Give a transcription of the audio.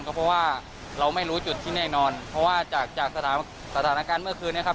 ก็เพราะว่าเราไม่รู้จุดที่แน่นอนเพราะว่าจากจากสถานการณ์เมื่อคืนนี้ครับ